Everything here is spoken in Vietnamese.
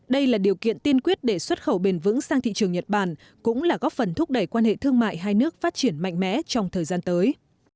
đây là điều kiện tiên quyết để xuất khẩu bền vững sang thị trường nhật bản cũng là góp phần thúc đẩy quan hệ thương mại hai nước phát triển mạnh mẽ trong thời gian tới